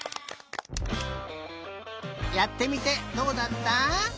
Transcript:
やってみてどうだった？